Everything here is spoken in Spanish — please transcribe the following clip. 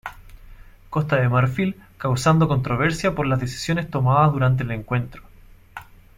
Costa de Marfil, causando controversia por las decisiones tomadas durante el encuentro.